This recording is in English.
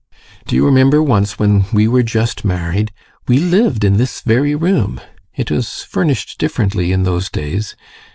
Do you remember once when we were just married we lived in this very room. It was furnished differently in those days.